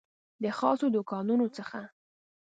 د خاصو دوکانونو څخه